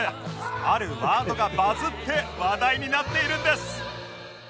あるワードがバズって話題になっているんです